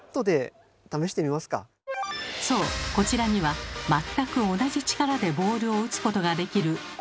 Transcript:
そうこちらには全く同じ力でボールを打つことができるゴルフロボットが！